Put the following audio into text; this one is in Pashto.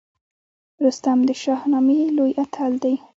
رستم د شاهنامې لوی اتل دی